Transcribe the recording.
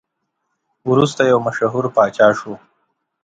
وروسته یو مشهور پاچا شو.